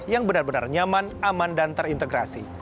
yang benar benar nyaman aman dan terintegrasi